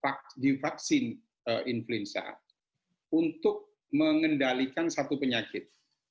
nah itu sebaiknya divaksin influenza untuk mengendalikan satu penyakit